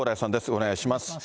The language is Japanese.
お願いします。